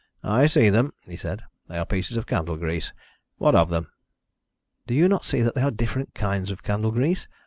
"I see them," he said. "They are pieces of candle grease. What of them?" "Do you not see that they are different kinds of candle grease?